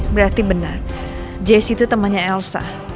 berarti benar jazzy itu temannya elsa